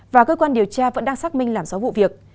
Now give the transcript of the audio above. và cơ quan điều tra vẫn đang xác minh làm rõ vụ việc